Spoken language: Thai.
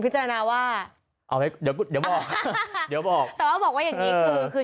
แต่ว่าบอกว่าอย่างนี้คือ